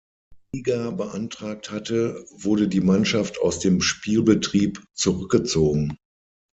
Liga beantragt hatte, wurde die Mannschaft aus dem Spielbetrieb zurückgezogen.